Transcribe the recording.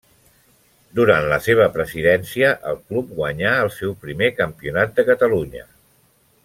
Durant la seva presidència el club guanyà el seu primer Campionat de Catalunya.